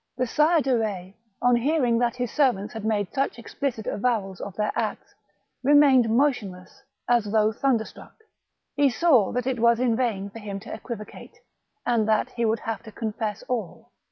The Sire de Betz, on hearing that his servants had made such explicit avowals of their acts, remained motionless, as though thunderstruck. He saw that it was in vain for him to equivocate, and that he would have to confess all.